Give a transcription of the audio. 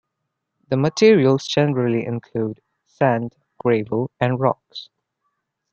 The materials generally include: sand, gravel, and rocks.